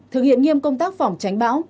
thực hiện nghiêm công tác phỏng tránh bão